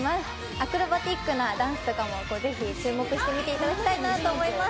アクロバティックなダンスとかも、ぜひ注目して見ていただきたいなと思います。